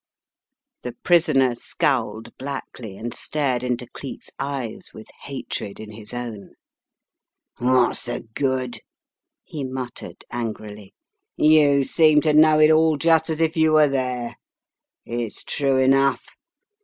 The prisoner scowled blackly and stared into Cleek's eyes with hatred in his own. "What's the good?" he muttered, angrily. "You seem to know it all just as if you were there. It's true enough.